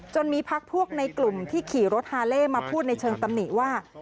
มีพักพวกในกลุ่มที่ขี่รถฮาเล่มาพูดในเชิงตำหนิว่า